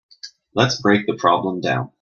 Let's break the problem down.